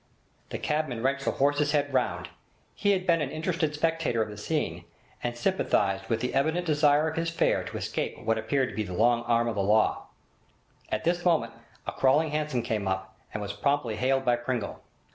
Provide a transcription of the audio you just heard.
The cabman wrenched the horse's head round. He had been an interested spectator of the scene, and sympathised with the evident desire of his fare to escape what appeared to be the long arm of the law. At this moment a 'crawling' hansom came up, and was promptly hailed by Pringle.